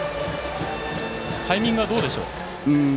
タイミングはどうでしょうか。